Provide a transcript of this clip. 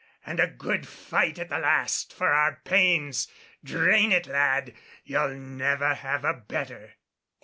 And a good fight at the last for our pains! Drain it, lad, you'll never have a better."